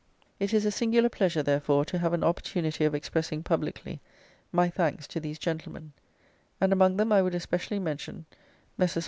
It is a singular pleasure, therefore, to have an opportunity of expressing publicly my thanks to these gentlemen, and among them I would especially mention Messrs.